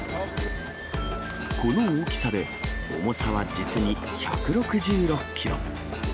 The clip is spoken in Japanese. この大きさで、重さは実に１６６キロ。